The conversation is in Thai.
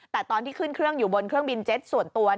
แต่ตอนที่ขึ้นเครื่องอยู่บนเครื่องบินเจ็ตส่วนตัว